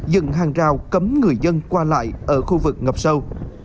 dựng hàng rào cấm người dân qua lại ở khu vực ngập sâu